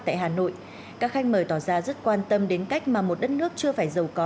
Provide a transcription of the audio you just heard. tại hà nội các khách mời tỏ ra rất quan tâm đến cách mà một đất nước chưa phải giàu có